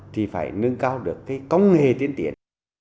thì phải nâng cao được công nghệ tiến tiến